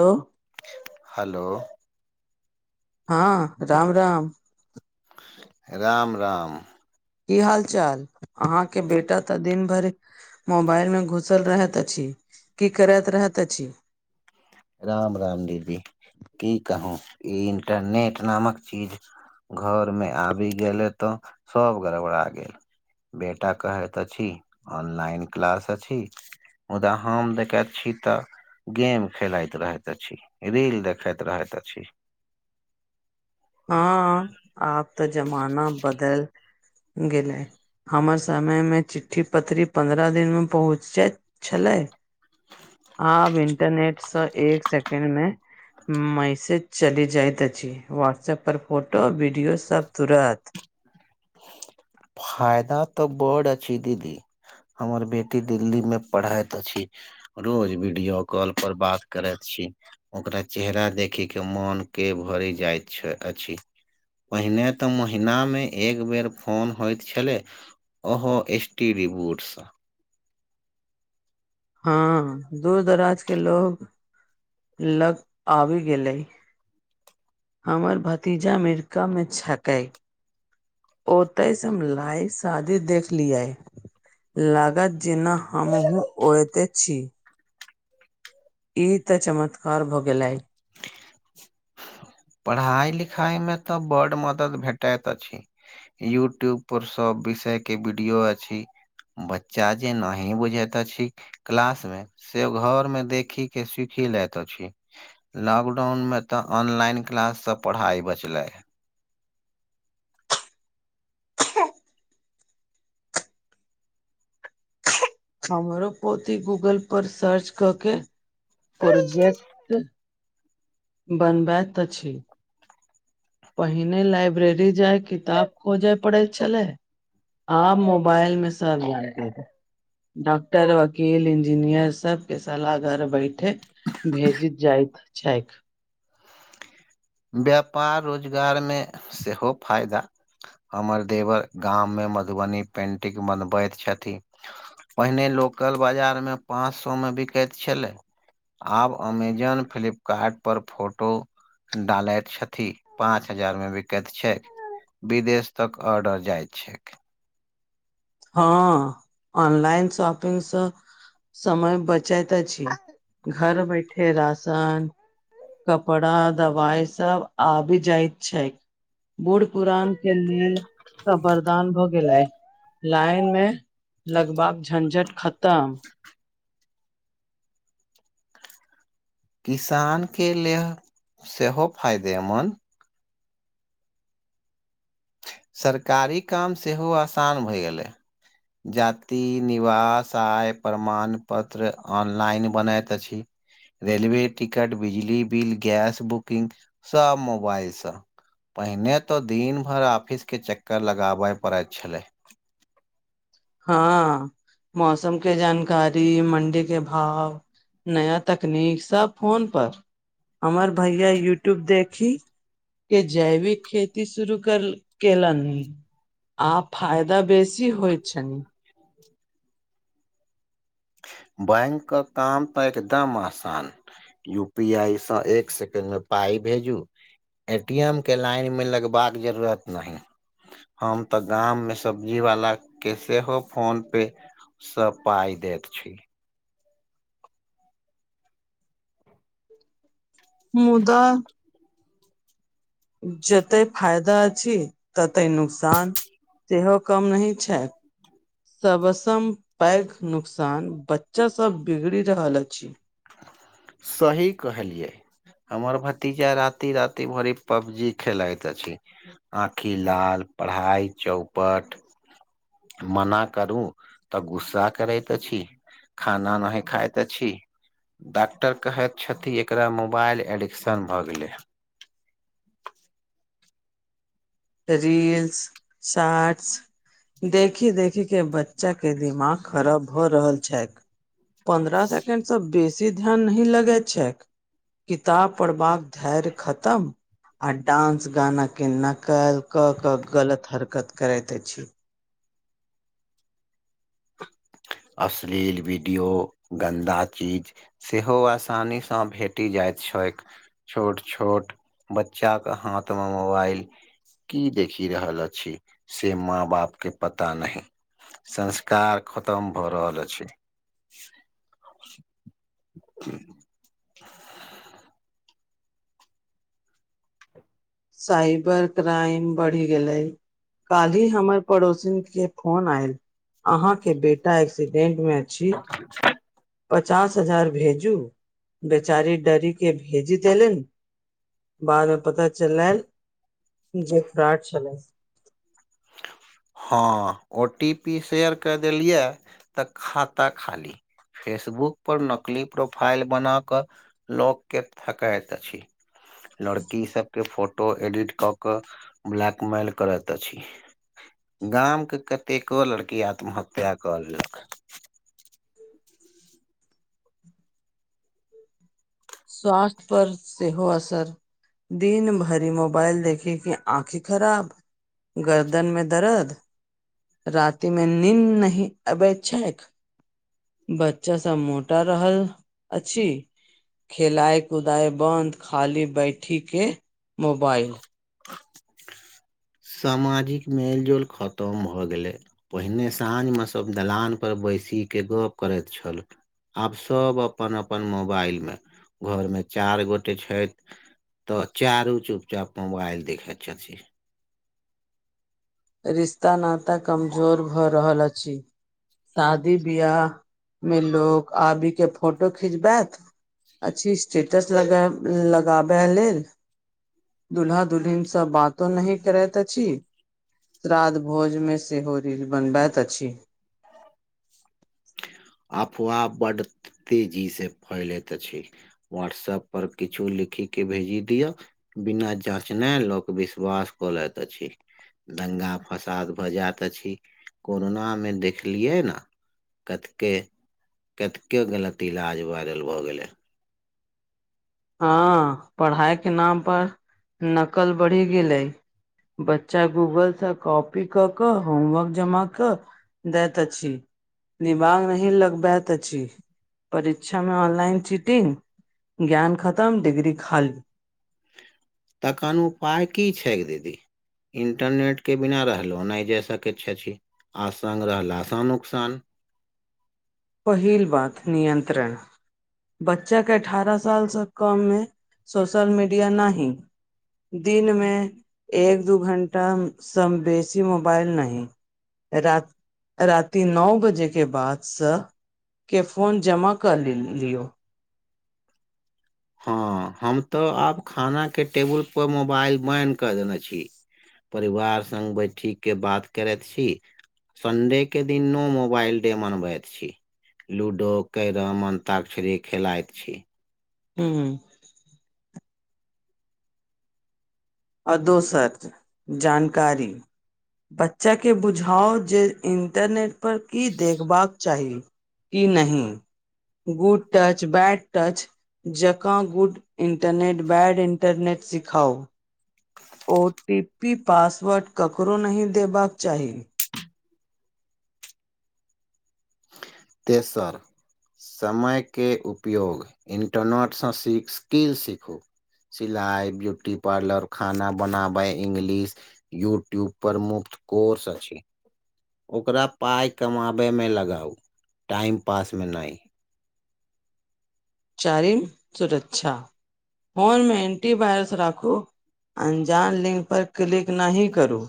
Hello hello हँ राम राम राम राम की हाल चाल अहाँ के बेटा तऽ दिन भर मोबाइल में घुसल रहैत अछि की करैत रहैत अछि राम राम दीदी की कहू ई इंटरनेट नामक चीज घर मे आबि गेले तो सब गड़बड़ा गेल बेटा कहैत अछि ऑनलाइन क्लास अछि मुदा हम देखैत छी तऽ गेम खेलाइत रहैत अछि रील देखैत रहैत अछि हँ आब तऽ जमाना बदल गेलै हमर समयमे चिठ्ठी पत्री पन्द्रह दिनमे पहुँच जाइत छलै आब इन्टरनेट एक सेकेंड मे माइसेज चली जाइत अछि बाटसप सब पर फोटो वीडियो सब तुरत फायदा तऽ बड अछि दीदी हमर बेटी दिल्ली मे पढ़ैत अछि रोज वीडियो कॉल पर बात करैत छी ओकरा चेहरा देखे के मोन के भरि जाइत छै अछि पहिने तऽ महीना मे एक बेर फोन होयइत छलै ओहो एस टी री बोड सँ हँ दूर दराज के लोग लग आबि गेलै हमर भतीजा अरिकामे छकै ओतइसे हम लाइव शादी देखलिये लागात जेना हमहुँ ओएत छी इ त चमत्कार भ गेलेय पढ़ाई लिखाई मे तऽ बड मदद भेटैत अछि यूट्यूब पर सब विषयके वीडियो अछि बच्चा जे नहि बुझेत अछि क्लास मे से घर मे देखी के सिखी लइत अछि लॉकडाउन मे तऽ ऑनलाइन क्लास से पढ़ाई बचलै हमरो पोती गूगल पर सर्च क के प्रोजेक्ट बनबैत अछि पहिने लाइब्रेरी जाय किताब खोजे पड़े छले आप मोबाइल मे सब जानेे डॉक्टर, वकील, इंजीनियर सभके सलाह घर बैसले। भेजी जाइत छैक। व्यापार रोजगारमे सेहो फायदा। हमर देवर गाममे मधुबनी पेंटिंग बनबैत छथिन। पहिने लोकल बाजारमे पाँच सएमे बिकैत छलै। आब अमेजन फ्लिपकार्टपर फोटो। डालैत छथि, पाँच हजारमे बिकैत छै। विदेश तक ऑर्डर जाइत छैक। हँ, ऑनलाइन शॉपिंगसँ। समय बचबैत अछि, घर बैसल राशन। कपड़ा, दवाई सभ आबि जाइत छै, बूढ़ पुरान। के लेल तऽ वरदान भऽ गेलै। लाईन में लगबाक झंझट खत्म। [inaudible] किसानक लेल सेहो फायदेमन्द। सरकारी काम सेहो आसान भऽ गेलै। जाति, निवास, आय प्रमाण पत्र ऑनलाइन बनैत अछि। रेलवे टिकट, बिजली बिल, गैस बुकिंग सभ मोबाइलसँ। पहिने तऽ दिनभरि ऑफिसके चक्कर लगाबऽ पड़ैत छल। हँ, मौसमक जानकारी आ मंडीक भाव नया तकनीक सभ फोनपर हमर भैया यूट्यूब देखी। के जैविक खेती शुरू कऽ देलनी। आ फायदा बेसी होइ छै। बैंकके काम तऽ एक एकदम आसान। यू पी आई से एक सेकेंड मे पाइ भेजू एटी एम के लाइनमे लगबाके जरूरत नहि। हम तऽ गाममे सब्जी वाला के सेहो फोन पे। सभ पाई देक छी। मुदा जते फायदा अछि तते नुकसान। सेहो कम नहि छै। सभसँ पैघ नुकसान बच्चासभ बिगड़ि रहल अछि। सही कहलियै। हमर भतीजा राति राति भरि पबजी खेलाइत अछि। आँखि लाल पढ़ाइ चौपट। मना करू तऽ गुस्सा करैत अछि। खाना नहि खाइत छी। डॉक्टर कहैत छथिन एकरा मोबाइल एडिक्शन भऽ गेलै ह [inaudible] रीलस शोर्ट्स देखि देखीके बच्चाके दिमाग खराब भऽ रहल छै। पन्द्रह सेकेण्डसँ बेसी ध्यान नहि लगैत छै। किताब पढ़बाक धैर्य खतम आ डानंस गाना के न कल कऽ कऽ गलत हरकत करैत अछि छी। अश्लील वीडियो गन्दा चीज। सेहो आसानीसँ भेटी जाइत छैक छोट छोट बच्चा के हाथमे मोबाइल की देखि रहल अछि से माँ बाप के पता नहि संस्कार ख तम भऽ रहल अछि साइबर क्राइम बढ़ि गेलै काल्हि हमर पड़ोसिन के फोन आयल आँहा के बेटा एक्सीडेंट मे छी [inaudible] पचास हजार भेजू बेचारी डरीे भेजी देलनि बाद मे पता चलल जे फ्राड छलै हँ ओ टी पी शेयर कर देलियै तऽ खाता खाली फेसबुक पर नकली प्रोफाइल बना कऽ लॉग के ठकैत अछि लड़की सबके फोटो एडिट कऽ कऽ ब्लैकमेल करैत अछि गाम के कतेको लड़की आत्महत्या कऽ लेलक स्वास्थ्य पर सेहो असर दिन भरि मोबाइल देखि के आँखि खराब गर्दनमे दर्द रति मे नीन्द नहि अबेत छैक बच्चा सब मोटा रहल अछि खेलए कुदए बन्द खाली बैठी के मोबाइल सामाजिक मेलजोल खतम भऽ गेलै पहिने साँझमे सभ दलानपर बैसी कऽ गप्प करैत छल आब सब अपन अपन मोबाइल मे घरमे चारि गोटे छथि तऽ चारू चुप चाप मोबाइल देखथ छथि रिश्ता नाता कमजोर भऽ रहल अछि शादी बियिह मे लोग आबी के फोटो खिचबैत अछि स्टेटस लगाबे लगाबै लेल दुल्हा दुल्हिन सब बातो नहि करैत अछि श्राद्ध भोजमे सेहो रील बनबैत अछि अफवाह बड्ड तेजीसँ फैलैत अछि व्हाट्सऐप पर किछु लिखी के भेजी दिअ बिना जाँचने लोक विश्वास कऽ लैत अछि दंगा फसाद भऽ जायत अछि कोरोनामे देखलियै ने कथि के कते गलत इलाज वायरल भऽ गेलै हँ पढ़ाई के नाम पर नकल बढ़ी गेलेै बच्चा गूगलसँ कॉपी क क होमवर्क जमा कऽ देत अछि दिमाग नहि लगबैत अछि परीक्षा मे ऑनलाइन चीटिंग ज्ञान खतम डिग्री खाली तखन उपाय की छैक दीदी इंटरनेट के बिना रहलहु नहि जाय सकैत छथि आ संग रहलासे नुकसान पहिल बात नियन्त्रण बच्चा के अठारह साल से कम मे सोशल मीडिया नाहि दिनमे एक दू घण्टासँ बेसी मोबाइल नाहि राति राति नओ बजे के बादसँ केफोन जमा कऽ ले लियौ हँ हम तऽ आब खाना के टेबुल पर मोबइल बैन क देने छी परिवार संग बैठी के बात करैत छी संडेके दिन नो मोबइल डे मनबैत छी लूडो कैरम अन्ताक्षरी खेलाइत छी हूँ आ दोसर जानकारी बच्चा के बुझाउ जे इंटरनेट पर की देखबाक चाही ई नहि गुड टच बैड टच जकाँ गुड इन्टरनेट बैड इन्टरनेट सिखाउ ओ टी पी पासवर्ड ककरो नहि देबाक चाहि तेसर समयके उपयोग इन्टरनेट सँ सी स्किल सीख सिलाई ब्यूटी पार्लर खाना बनाबे इंगलिश यूट्यूब पर मुफ्त कोर्स अछि ओकरा पाई कमाबयमे लगाउ टाइम पासमे नहि चारिम सुरक्षा फोनमे एंटी वायरस राखू अनजान लिंक पर क्लिक नहि करू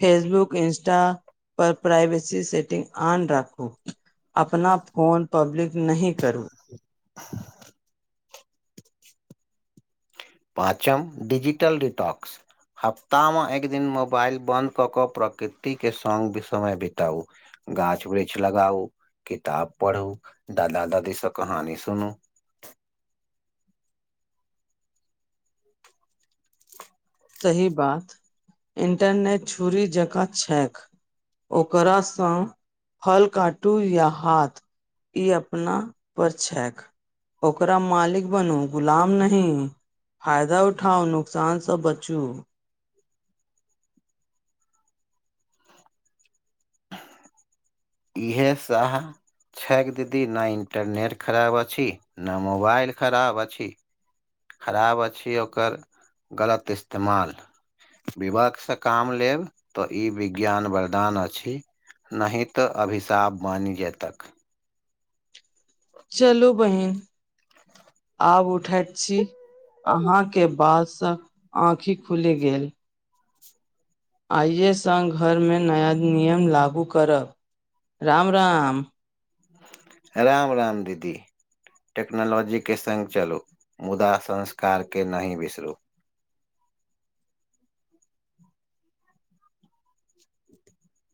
फेसबुक इन्स्टा पर प्राइवेसी सेटिंग ऑन राखू अपना फोन पब्लिक नहि करू [unintelligible] पाँचम डिजिटल रिटॉकस हफ्ता मे एक दिन मोबाउल बन्द कऽ कऽ प्रकृति के संग विसमय बिताउ गाछ वृक्ष लगाउ किताब पढ़ू दादा दादीसँ कहानी सुनू सही बात इंटरनेट छुरी जकाँ छैक ओकरासँ फल काटू या हाथ ई अपना पर छैक ओकरा मालिक बनु गुलाम नही फायदा उठाउ नुकसानसँ बच चू इह साह छैक दीदी ने इंटरनेट खराब अछि ने मोबाइल खराब अछि खराब अछि ओकर गलत इस्तेमाल विवेकसँ काम लेब तऽ ई विज्ञान वरदान अछि नहि तऽ अभिशाप बनि जेयतक चलु बहिन आब उठैत छी अहाँ के बात से ऑखि खुलि गेल आइए स घरमे नया नियम लागु करब राम राम राम राम दीदी टेक्नोलॉजी के संग चलु मुदा संस्कार के नह बिसरु [inaudible]